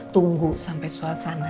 tunggu sampe suasana